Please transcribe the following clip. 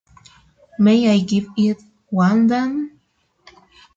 May I give it one then?